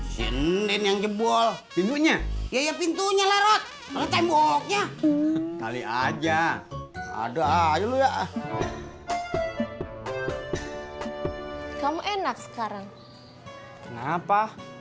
sinin yang jebol bibunya ya pintunya lorot sama temboknya kali aja ada kamu enak sekarang kenapa